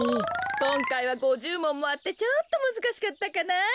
こんかいは５０もんもあってちょっとむずかしかったかな？